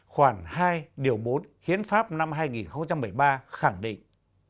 khoảng hai điều bốn hiến pháp năm hai nghìn một mươi ba khẳng định